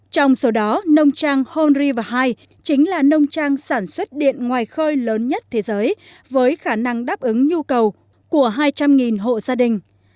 trong số đó nông trang hondry và hai chính là nông trang sản xuất điện ngoài khơi lớn nhất thế giới với khả năng đáp ứng nhu cầu của hai trăm linh hộ gia đình